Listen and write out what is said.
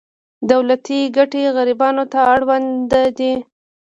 دولتي ګټې غریبانو ته اړوند دي.